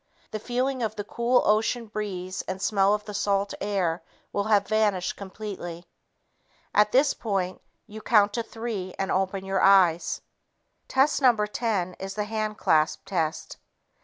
The feeling of the cool ocean breeze and smell of the salt air will have vanished completely." At this point you count to three and open your eyes. Test No. 10 is the "handclasp" test.